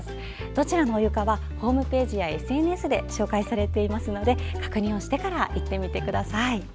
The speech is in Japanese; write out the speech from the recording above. どちらのお湯かはホームページやＳＮＳで紹介されていますので確認をしてから行ってみてください。